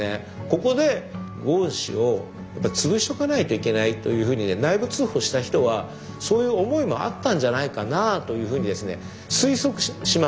ここでゴーン氏をつぶしておかないといけないというふうにね内部通報した人はそういう思いもあったんじゃないかなあというふうにですね推測します。